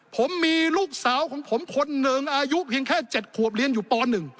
ผมมีลูกสาวของผมคนหนึ่งอายุเพียงแค่๗ขวบเรียนอยู่ป๑